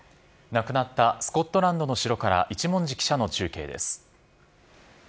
亡くなったスコットランドの城から一文字記者の中継です。